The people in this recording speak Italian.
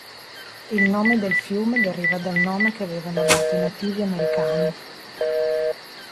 Il nome del fiume deriva dal nome che avevano dato i Nativi Americani.